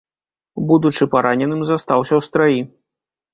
Будучы параненым застаўся ў страі.